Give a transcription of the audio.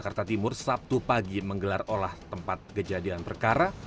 jakarta timur sabtu pagi menggelar olah tempat kejadian perkara